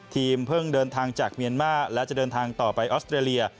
เพิ่งเดินทางจากเมียนมาร์และจะเดินทางต่อไปออสเตรเลีย